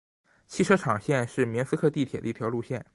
汽车厂线是明斯克地铁的一条路线。